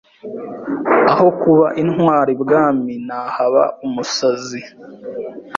Aho kuba intwari ibwami nahaba umusazi.